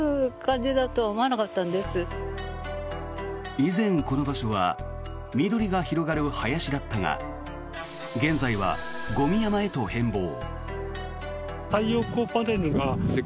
以前、この場所は緑が広がる林だったが現在はゴミ山へと変ぼう。